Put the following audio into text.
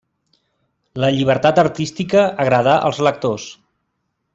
La llibertat artística agradà als lectors.